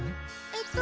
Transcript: えっと